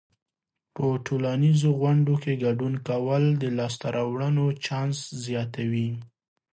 په ټولنیزو غونډو کې ګډون کول د لاسته راوړنو چانس زیاتوي.